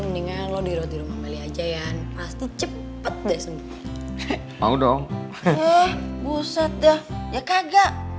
mendingan lo di rumah melejahkan pasti cepet deh mau dong buset ya ya kagak